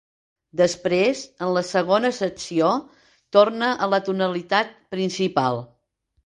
Després, en la segona secció, torna a la tonalitat principal.